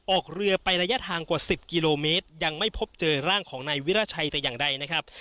ออกเรือไประยะทางกว่า๑๐กิโลเมตรยังไม่พบเจอร่างของนายวิราชัยแต่อย่างใดนะครับ